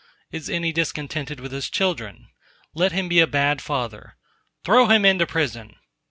Is any discontented with his children? let him be a bad father.—"Throw him into prison!"